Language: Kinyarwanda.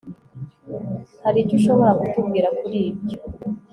hari icyo ushobora kutubwira kuri ibyo